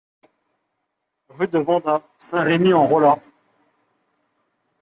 Rue de Vendat, Saint-Rémy-en-Rollat